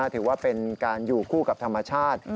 ถือว่าเป็นการอยู่คู่กับธรรมชาติ